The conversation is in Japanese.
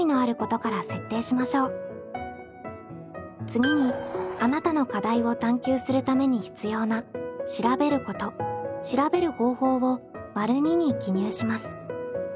次にあなたの課題を探究するために必要な「調べること」「調べる方法」を②に記入します。